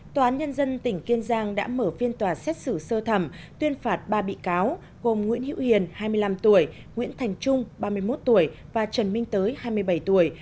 tòa án nhân dân tỉnh kiên giang đã mở phiên tòa xét xử sơ thẩm tuyên phạt ba bị cáo gồm nguyễn hữu hiền hai mươi năm tuổi nguyễn thành trung ba mươi một tuổi và trần minh tới hai mươi bảy tuổi